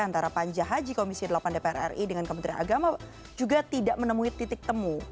antara panja haji komisi delapan dpr ri dengan kementerian agama juga tidak menemui titik temu